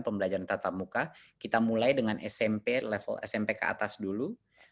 pembelajaran tatap muka kita mulai dengan smp level smp ke atas dulu